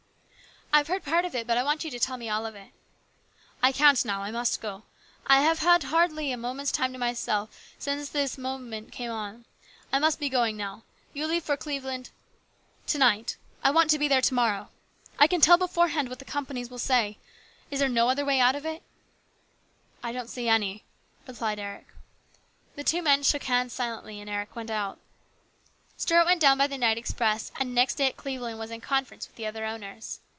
" I've heard part of it, but I want you to tell me all of it." " I can't now. I must go. I have hardly had a minute's time to myself since this movement came on. I must be going now. You leave for Cleve land "" To night. I want to be there to morrow. I can tell beforehand what the companies will say. Is there no other way out of it ?"" I don't see any," replied Eric, The two men shook hands silently, and Eric went out. Stuart went down by the night express, and next day at Cleveland was in conference with the other owners.